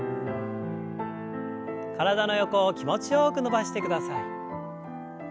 体の横を気持ちよく伸ばしてください。